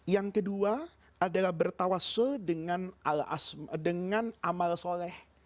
yang kedua adalah bertawassul dengan amal soleh